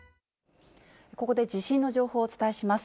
ここで地震の情報をお伝えします。